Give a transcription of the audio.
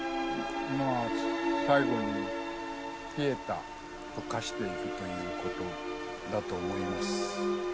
まあ最期にピエタと化していくということだと思います。